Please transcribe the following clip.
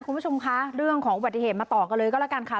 คุณผู้ชมคะเรื่องของอุบัติเหตุมาต่อกันเลยก็แล้วกันค่ะ